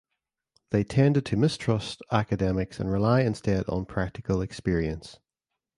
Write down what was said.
They tended to mistrust academics and rely instead on practical experience.